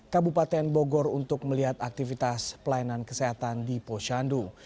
kabupaten bogor untuk melihat aktivitas pelayanan kesehatan di posyandu